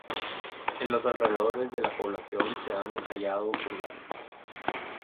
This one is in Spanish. En los alrededores de la población se han hallado kurganes.